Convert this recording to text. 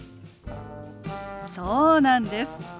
そうなんです。